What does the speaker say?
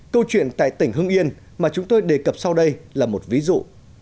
câu chuyện tại tỉnh hưng yên mà chúng tôi đề cập sau đây là một ví dụ